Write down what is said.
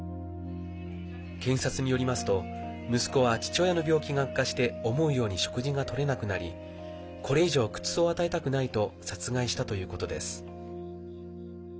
検察によりますと、息子は父親の病気が悪化して思うように食事がとれなくなりこれ以上苦痛を与えたくないと殺害したということです。